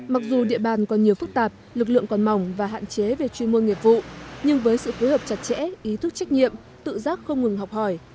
mặc dù địa bàn còn nhiều phức tạp lực lượng còn mỏng và hạn chế về chuyên môn nghiệp vụ nhưng với sự phối hợp chặt chẽ ý thức trách nhiệm tự giác không ngừng học hỏi